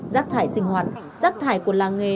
rác thải sinh hoạt rác thải của làng nghề